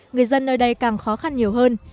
người dân nơi đây càng khó khăn nhiều hơn